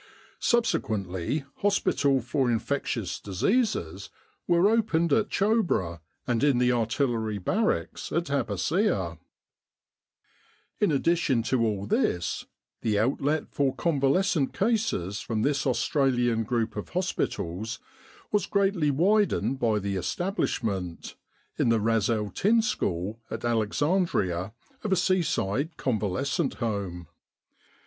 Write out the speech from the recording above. Subsequently hospitals for infectious diseases were opened at Choubrah, and in the Artillery Barracks at Abbassieh. In addition to all Egypt and the Great War this, the outlet for convalescent cases from this Australian group of hospitals was greatly widened by the establishment, in the Ras el Tin School at Alexandria, of a seaside convalescent home.